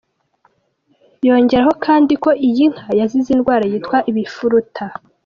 Yongeraho kandi ko iyi nka yazize indwara yitwa "ibifuruta".